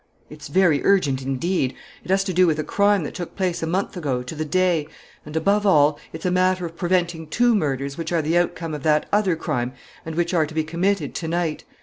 "It's very urgent, indeed. It has to do with a crime that took place a month ago, to the day. And, above all, it's a matter of preventing two murders which are the outcome of that other crime and which are to be committed to night.